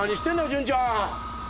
潤ちゃん。